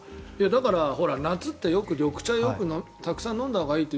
だから、夏ってよく緑茶をたくさん飲んだほうがいいって。